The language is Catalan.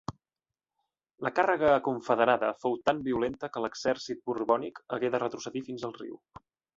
La càrrega confederada fou tan violenta que l'exèrcit borbònic hagué de retrocedir fins al riu.